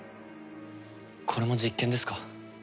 これも実験ですか？